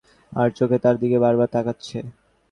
তিনি লক্ষ করলেন, লোকটি আড়চোখে তাঁর দিকে বারবার তোকাচ্ছে!